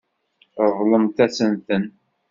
Ṛeḍlemt-asent-ten.